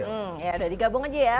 hmm ya udah digabung aja ya